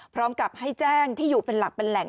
พร้อมกับให้แจ้งที่อยู่เป็นหลักเป็นแหล่ง